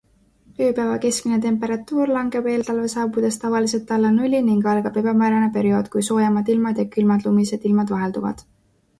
Ööpäeva keskmine temperatuur langeb eeltalve saabudes tavaliselt alla nulli ning algab ebamäärane periood, kui soojemad ilmad ja külmad lumised ilmad vahelduvad.